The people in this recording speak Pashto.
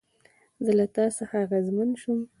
زه له تا څخه اغېزمن شوم